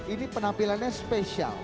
ini penampilannya spesial